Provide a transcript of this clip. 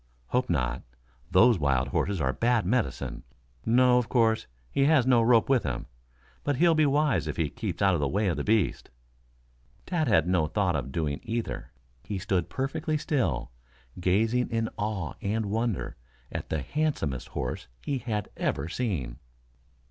"Hope not. Those wild horses are bad medicine. No, of course, he has no rope with him. But he'll be wise if he keeps out of the way of the beast." Tad had no thought of doing either. He stood perfectly still, gazing in awe and wonder at the handsomest horse he had ever seen.